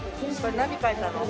何描いたの？